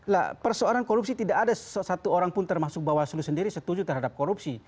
nah persoalan korupsi tidak ada satu orang pun termasuk bawaslu sendiri setuju terhadap korupsi